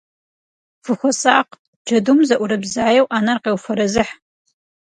Фыхуэсакъ, джэдум, зыӏурыбзаеу, ӏэнэр къеуфэрэзыхь.